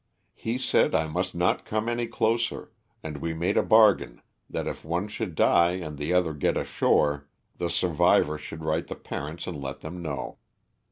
He said I must not come any closer, and we made a bargain that if one should die and the other get ashore the survivor should write the parents and let them know.